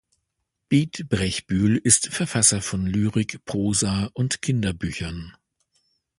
Beat Brechbühl ist Verfasser von Lyrik, Prosa und Kinderbüchern.